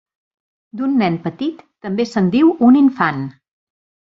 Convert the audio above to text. D'un nen petit també se'n diu un infant.